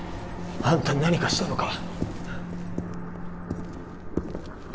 あんた何かしたのか？